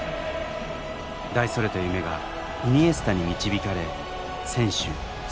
大それた夢がイニエスタに導かれ選手サポーター